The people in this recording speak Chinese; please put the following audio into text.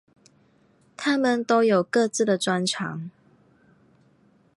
他们都有各自的专长。